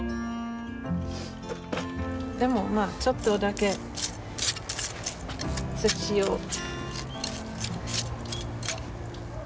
でもまあちょっとだけ土を。